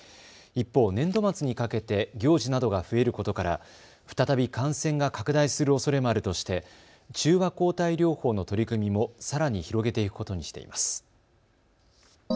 一方、年度末にかけて行事などが増えることから再び感染が拡大するおそれもあるとして中和抗体療法の取り組みもさらに広げていくことにしています。